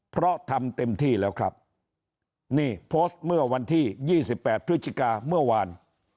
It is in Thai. เพราะทำเต็มที่แล้วครับนี่โพสต์เมื่อวันที่๒๘พฤศจิกาเมื่อวาน